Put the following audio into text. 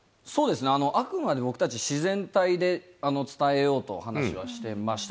あくまで僕たち、自然体で伝えようと話はしてました。